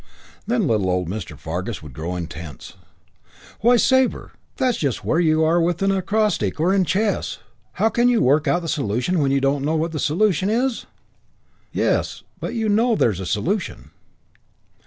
Then little old Mr. Fargus would grow intense. "Why, Sabre, that's just where you are with an acrostic or in chess. How can you work out the solution when you don't know what the solution is?" "Yes, but you know there is a solution."